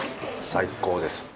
最高です。